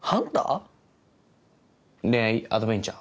恋愛アドベンチャー。